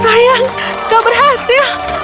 sayang gak berhasil